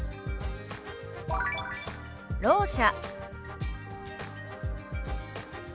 「ろう者」。